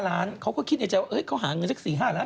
ล้านเขาก็คิดในใจว่าเขาหาเงินสัก๔๕ล้าน